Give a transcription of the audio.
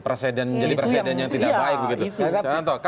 presiden jadi presiden yang tidak baik begitu